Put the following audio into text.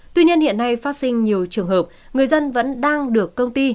tuy nhiên hiện nay phát sinh nhiều trường hợp người dân vẫn đang được công ty